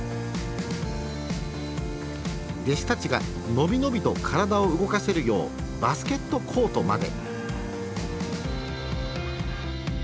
弟子たちが伸び伸びと体を動かせるようバスケットコートまで。